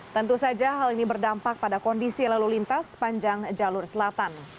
tentu saja hal ini berdampak pada kondisi lalu lintas sepanjang jalur selatan